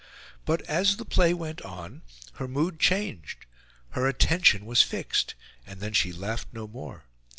But, as the play went on, her mood changed; her attention was fixed, and then she laughed no more.